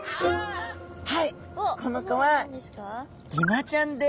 はいこの子はギマちゃんです。